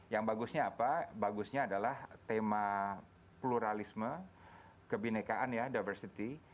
yang bagusnya apa bagusnya adalah tema pluralisme kebinekaan ya diversity